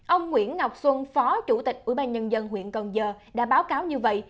ông nguyễn ngọc xuân phó chủ tịch ủy ban nhân dân huyện cần giờ đã báo cáo như vậy